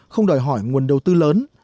không đòi hỏi nguồn đầu tư lớn